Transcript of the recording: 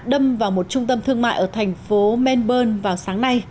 đâm vào một trung tâm thương mại ở thành phố menburne vào sáng nay